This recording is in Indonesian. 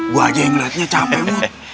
gue aja yang liatnya capek mut